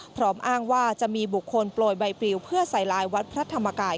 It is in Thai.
พร้อมอ้างว่าจะมีบุคคลโปรยใบปลิวเพื่อใส่ลายวัดพระธรรมกาย